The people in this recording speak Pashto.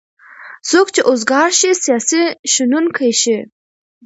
څوک چې اوزګار شی سیاسي شنوونکی شي.